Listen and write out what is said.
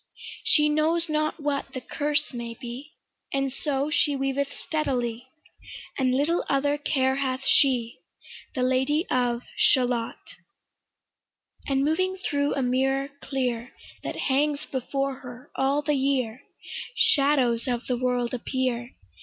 She knows not what the 'curse' may be, And so she weaveth steadily, And little other care hath she, The Lady of Shalott. And moving thro' a mirror clear That hangs before her all the year, Shadows of the world appear.